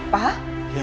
saya sudah mencari